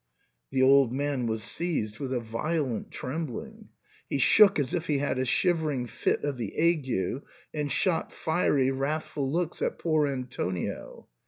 The old man was seized with a violent trembling; he shook as if he had a shivering fit of the ague, and shot fiery wrathful looks at poor Antonio.